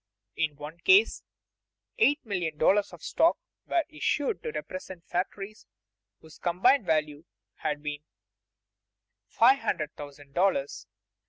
In one case eight million dollars of stock were issued to represent factories whose combined value had been five hundred thousand dollars.